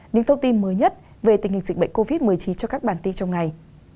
những thông tin mới nhất về tình hình dịch bệnh covid một mươi chín cho các bản tin trong ngày